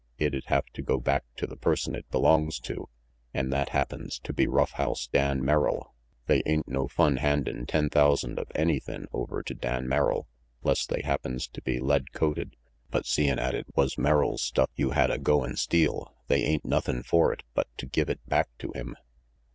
It'd have to go back to the person it belongs to, an' that happens to be Rough House Dan Merrill. They ain't no fun handin' ten thousand of anythin' over to Dan Merrill, 'less they happens to be lead coated, but seein' 'at it was Merrill's stuff you hadda go an' steal, they ain't nothin' for it but to give it back to him."